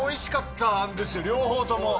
両方とも。